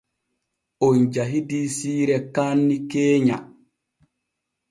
On jahidii siire kaanni keenya.